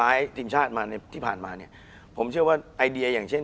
คุณผู้ชมบางท่าอาจจะไม่เข้าใจที่พิเตียร์สาร